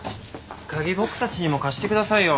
鍵僕たちにも貸してくださいよ。